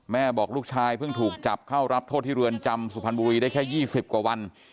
บอกลูกชายเพิ่งถูกจับเข้ารับโทษที่เรือนจำสุพรรณบุรีได้แค่๒๐กว่าวัน